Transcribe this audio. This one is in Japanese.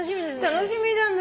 楽しみだね。